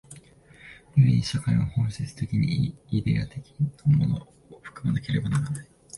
故に社会は本質的にイデヤ的なものを含まなければならない。